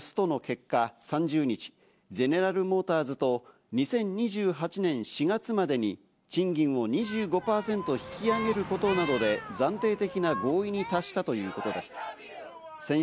１か月以上にわたるストの結果、３０日、ゼネラル・モーターズと２０２８年４月までに賃金を２５％引き上げることなどで暫定的な合意に達したということです。